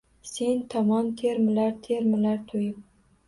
Sen tomon termular, termular to’yib